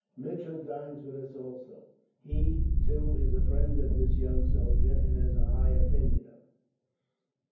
Mitchell dines with us, also. He, too, is a friend of this young soldier, and has a high opinion of him."